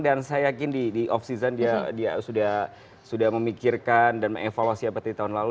dan saya yakin di off season dia sudah memikirkan dan mengevaluasi apatri tahun lalu